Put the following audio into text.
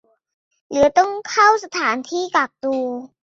หรือต้องเข้าสถานที่กักตัว